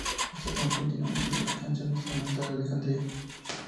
Este álbum contiene su única canción instrumental, Alejandría.